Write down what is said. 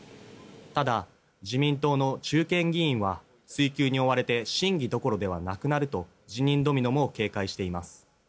ただ、自民党の中堅議員は追及に追われて審議どころではなくなると辞任ドミノも警戒しています。